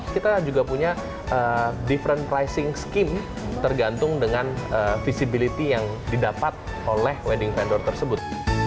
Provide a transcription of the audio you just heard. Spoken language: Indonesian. kita juga punya different pricing skim tergantung dengan visibility yang didapat oleh wedding vendor tersebut